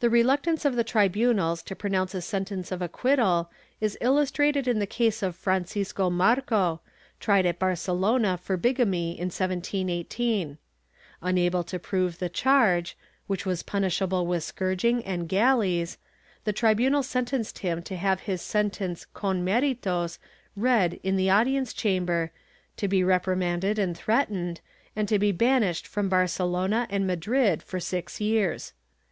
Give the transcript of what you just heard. The reluctance of the tribunals to pronounce a sentence of acquit tal is illustrated in the case of Francisco Marco, tried at Barcelona for bigamy, in 1718. Unable to prove the charge, which was punishable with scourging and galleys, the tribunal sentenced him to have his sentence con meritos read in the audience chamber, to be reprimanded and threatened, and to be banished from Barce lona and Madrid for six years.